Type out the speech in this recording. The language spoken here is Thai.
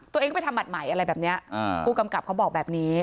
ตัวเองก็ไปทำบัตรใหม่อะไรแบบนี้ผู้กำกับเขาบอกแบบนี้